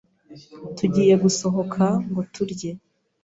Tugiye gusohoka ngo turye.